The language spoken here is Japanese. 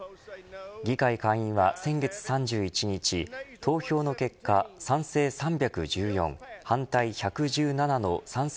議会下院は先月３１日投票の結果、賛成３１４反対１１７の賛成